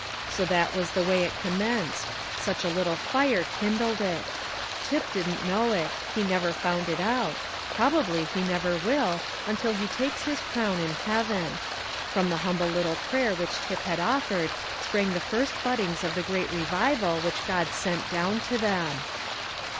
So that was the way it commenced; such a little fire kindled it. Tip didn't know it; he never found it out; probably he never will, until he takes his crown in heaven. From the humble little prayer which Tip had offered sprang the first buddings of the great revival which God sent down to them.